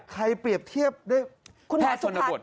ใครเปรียบเทียบด้วยแพทย์ชนบท